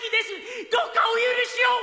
どうかお許しを！